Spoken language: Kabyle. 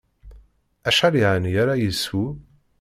Acḥal yeɛni ara yeswu?